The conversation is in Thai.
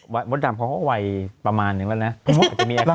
วัดดำเขาก็วัยประมาณหนึ่งแล้วนะ